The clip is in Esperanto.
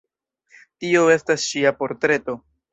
Tio estas ŝia portreto.